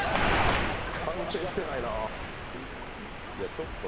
反省してないな。